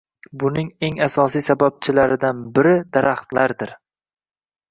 Buning eng asosiy sababchilardan biri daraxtlardir